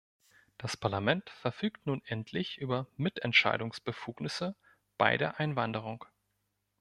Das Parlament verfügt nun endlich über Mitentscheidungsbefugnisse bei der Einwanderung.